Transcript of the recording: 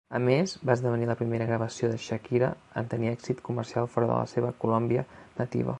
A més, va esdevenir la primera gravació de Shakira en tenir èxit comercial fora de la seva Colòmbia nativa.